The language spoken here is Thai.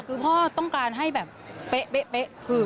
คือพ่อต้องการให้แบบเป๊ะ